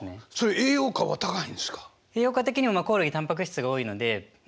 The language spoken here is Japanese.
栄養価的にはコオロギたんぱく質が多いのでまあ